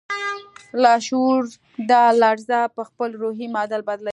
لاشعور دا لړزه پهخپل روحي معادل بدلوي